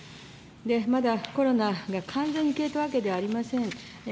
まだコロナが完全に消えたわけではありません。